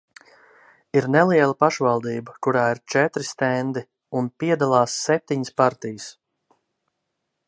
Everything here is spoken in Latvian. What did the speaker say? Ir neliela pašvaldība, kurā ir četri stendi, un piedalās septiņas partijas.